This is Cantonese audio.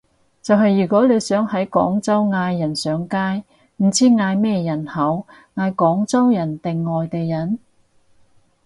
就係如果你想喺廣州嗌人上街，唔知嗌咩人好，嗌廣州人定外地人？